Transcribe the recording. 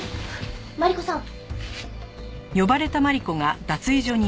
マリコさん。